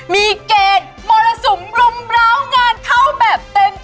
มีเกณฑ์มรสุมรุมร้าวงานเขาแบบเต็ม